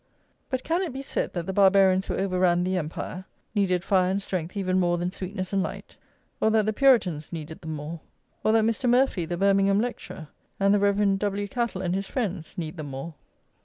But can it be said that the Barbarians who overran the empire, needed fire and strength even more than sweetness and light; or that the Puritans needed them more; or that Mr. Murphy, the Birmingham lecturer, and the Rev. W. Cattle and his friends, need them more?